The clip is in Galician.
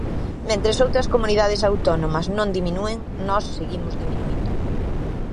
Mentres outras comunidades autónomas non diminúen, nós seguimos diminuíndo.